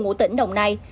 nguyễn công hợp